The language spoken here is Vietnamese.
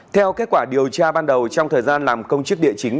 theo kết quả điều tra ban đầu trong thời gian làm công chức địa chính